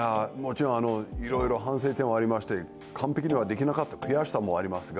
いろいろ反省点はありまして、完璧にできなかった悔しさもありますが